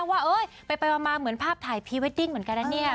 ว่าไปมาเหมือนภาพถ่ายพรีเวดดิ้งเหมือนกันนะเนี่ย